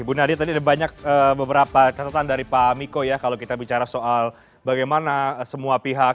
bu nadia tadi ada banyak beberapa catatan dari pak miko ya kalau kita bicara soal bagaimana semua pihak